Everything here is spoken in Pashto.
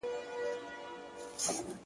o بابا مه گوره، خورجين ئې گوره!